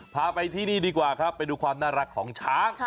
พาไปที่นี่ดีกว่าครับไปดูความน่ารักของช้าง